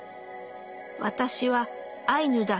「私はアイヌだ。